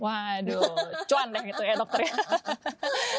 aduh cuan deh gitu ya dokternya